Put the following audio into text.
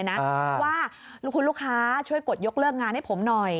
ว่าลูกคุณลูกค้าช่วยกดยกเลิกงานให้ผมหน่อย